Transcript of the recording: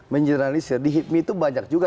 menjelanlisir di hidmi itu banyak juga